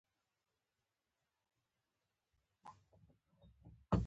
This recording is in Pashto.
قاضي به په محکمه کې دوسیه په غور څارله.